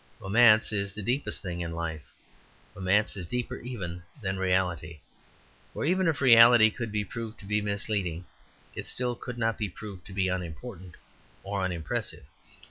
Romance is the deepest thing in life; romance is deeper even than reality. For even if reality could be proved to be misleading, it still could not be proved to be unimportant or unimpressive.